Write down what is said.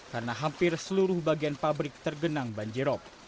karena hampir seluruh bagian pabrik tergenang banjir rop